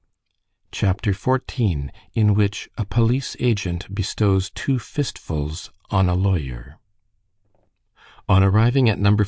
CHAPTER XIV—IN WHICH A POLICE AGENT BESTOWS TWO FISTFULS ON A LAWYER On arriving at No.